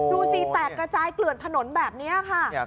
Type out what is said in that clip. แตกระจายเกลื่อนถนนแบบนี้ค่ะ